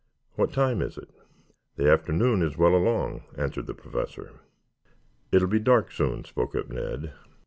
What time is it?" "The afternoon is well along," answered the Professor. "It'll be dark soon," spoke up Ned.